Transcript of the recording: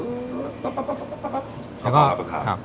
มักหลงกันป่ะครับ